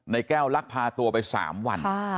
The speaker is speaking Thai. ในแก้วลักพาตัวไป๓วัน